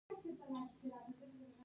میلمه د خدای رحمت ګڼل کیږي.